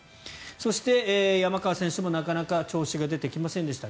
そして、山川選手もなかなか調子が出てきませんでした。